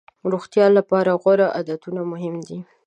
روغتیا لپاره غوره عادتونه مهم دي.